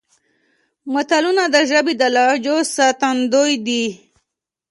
متلونه د ژبې د لهجو ساتندوی دي